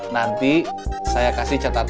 kamu kalau nge office hafiz down lah